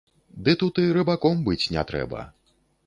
Ды тут і рыбаком быць не трэба.